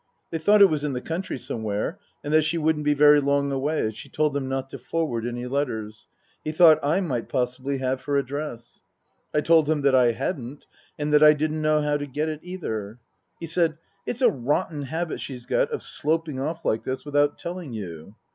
They thought it was in the country somewhere, and that she wouldn't be very long away, as she told them not to forward any letters. He thought I might possibly have her address. I told him that I hadn't, and that I didn't know how to get it, either. He said, " It's a rotten habit she's got of sloping off like this without telling you."